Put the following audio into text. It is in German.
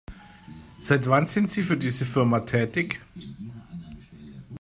Seit wann sind Sie für diese Firma tätig?